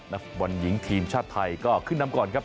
วันนิยงทีมชาติไทยก็ขึ้นน้ำก่อนครับ